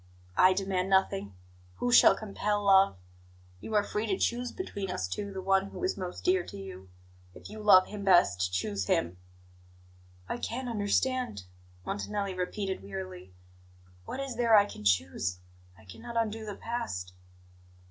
"I demand nothing. Who shall compel love? You are free to choose between us two the one who is most dear to you. If you love Him best, choose Him." "I can't understand," Montanelli repeated wearily. "What is there I can choose? I cannot undo the past."